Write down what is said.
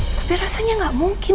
tapi rasanya gak mungkin